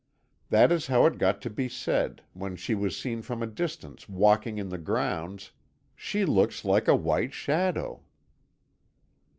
That is how it got to be said, when she was seen from a distance walking in the grounds: "'She looks like a white shadow.'